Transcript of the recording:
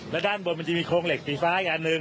และด้านบนมันจะมีโครงเหล็กสีฟ้าอีกอันหนึ่ง